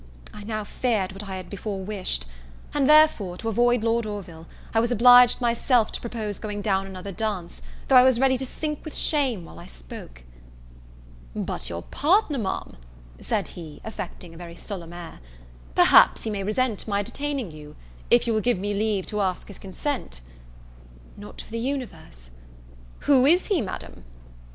I now feared what I had before wished; and therefore, to avoid Lord Orville, I was obliged myself to propose going down another dance, though I was ready to sink with shame while I spoke. "But your partner, Ma'am?" said he, affecting a very solemn air, "perhaps he may resent my detaining you: if you will give me leave to ask his consent " "Not for the universe." "Who is he, Madam?"